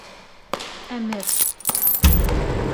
ӘМЕР